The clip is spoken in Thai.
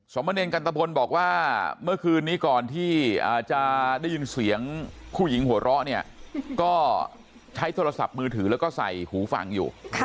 มะเนรกันตะพลบอกว่าเมื่อคืนนี้ก่อนที่จะได้ยินเสียงผู้หญิงหัวเราะเนี่ยก็ใช้โทรศัพท์มือถือแล้วก็ใส่หูฟังอยู่